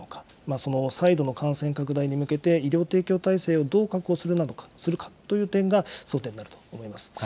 その再度の感染拡大に向けて、医療提供体制をどう確保するかという点が争点になると思います。